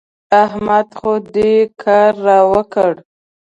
احمد خو دې کار را وکړ.